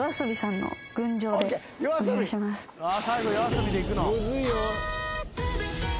最後ＹＯＡＳＯＢＩでいくの。